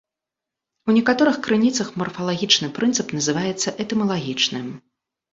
У некаторых крыніцах марфалагічны прынцып называецца этымалагічным.